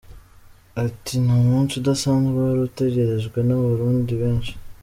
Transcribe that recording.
Ati “Ni umunsi udasanzwe wari utegerejwe n’Abarundi benshi.